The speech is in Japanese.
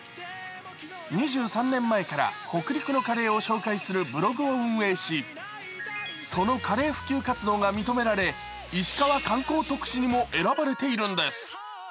２３年前から北陸のカレーを紹介するブログを運営しそのカレー普及活動が認められ、いしかわ観光特使にも選ばれているんです。